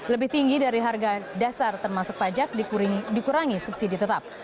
lebih tinggi dari harga dasar termasuk pajak dikurangi subsidi tetap